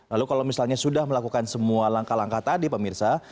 lalu kalau misalnya sudah melakukan semua langkah langkah tadi pemirsa